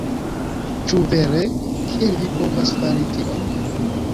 "Ĉu vere? Kiel vi povas fari tion?"